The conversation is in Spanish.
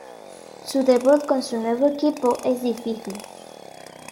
Su debut con su nuevo equipo es difícil.